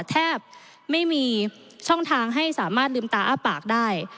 แทบไม่มีช่องทางให้สามารถลืมตาอ้าปากได้